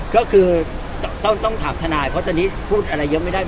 ก็คือต้องถามทนายเพราะตอนนี้พูดอะไรเยอะไม่ได้